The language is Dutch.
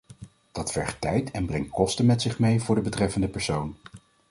Dat vergt tijd en brengt kosten met zich mee voor de betreffende persoon.